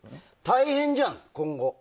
大変じゃん、今後。